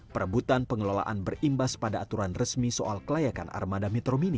perebutan pengelolaan berimbas pada aturan resmi soal kelayakan armada metro mini